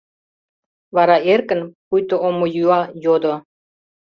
Вара эркын, пуйто омыюа, йодо: